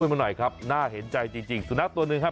มาหน่อยครับน่าเห็นใจจริงสุนัขตัวหนึ่งฮะ